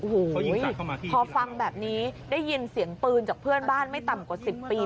โอ้โหพอฟังแบบนี้ได้ยินเสียงปืนจากเพื่อนบ้านไม่ต่ำกว่า๑๐ปี